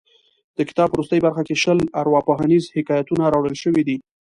د کتاب په وروستۍ برخه کې شل ارواپوهنیز حکایتونه راوړل شوي دي.